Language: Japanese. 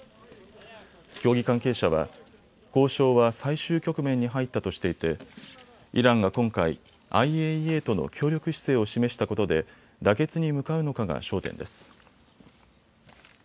協議関係者は交渉は最終局面に入ったとしていてイランが今回ＩＡＥＡとの協力姿勢を示したことで妥結に向かうのかが焦点です。